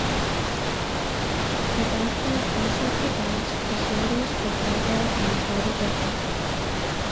The airport also provides facilities for cargo and private jets.